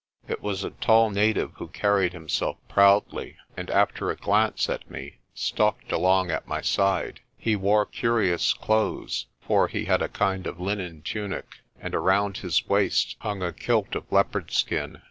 It was a tall native who carried himself proudly, and after a glance at me, stalked along at my side. He wore curious clothes, for he had a kind of linen tunic, and around his waist hung a kilt of leopard skin.